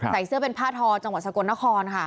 ใส่เสื้อเป็นผ้าทอจังหวัดสกลนครค่ะ